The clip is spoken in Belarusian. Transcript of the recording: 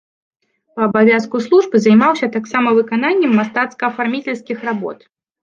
Па абавязку службы займаўся таксама выкананнем мастацка-афарміцельскіх работ.